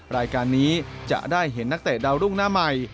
รายการนี้จะได้เห็นนักเตะดาวรุ่งหน้าใหม่